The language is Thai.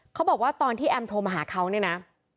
เขาบอกว่าตอนที่แอมโทรมาหาเขาเนี่ยนะ